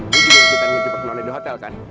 lu juga yang cuci tangan ngejebak nona di hotel kan